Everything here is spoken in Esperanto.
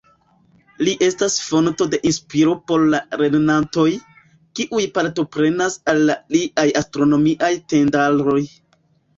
Li estas fonto de inspiro por la lernantoj, kiuj partoprenas al liaj Astronomiaj Tendaroj.